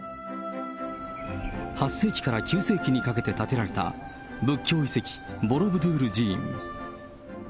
８世紀から９世紀にかけて建てられた仏教遺跡、ボロブドゥール寺院。